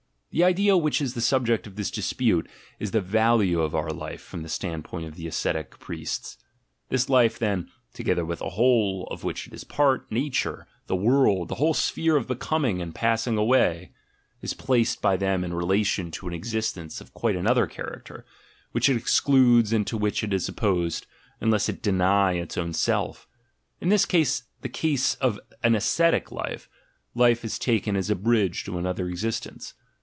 ASCETIC IDEALS 121 The idea, which is the subject of this dispute, is the value of our life from the standpoint of the ascetic priests: this life, then (together with the whole of which it is a part, "Nature," "the world," the whole sphere of becom ing and passing away), is placed by them in relation to an existence of quite another character, which it excludes and to which it is opposed, unless it deny its own self: in this case, the case of an ascetic life, life is taken as a bridge to another existence.